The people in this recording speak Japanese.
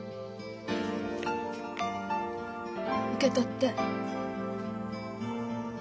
受け取って。